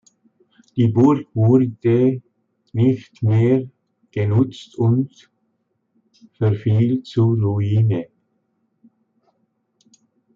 Die Burg wurde nicht mehr genutzt und verfiel zur Ruine.